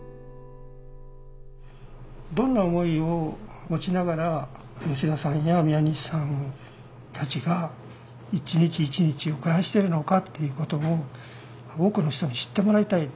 どんな思いを持ちながら吉田さんや宮西さんたちが一日一日を暮らしてるのかということを多くの人に知ってもらいたい。